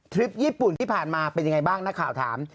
คลิปญี่ปุ่นที่ผ่านมาเป็นยังไงบ้างนักข่าวถาม